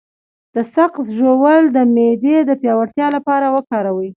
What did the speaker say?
د سقز ژوول د معدې د پیاوړتیا لپاره وکاروئ